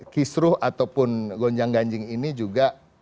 kisruh ataupun gonjang ganjing ini juga